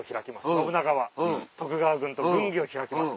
信長は徳川軍と軍議を開きます。